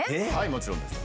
もちろんです。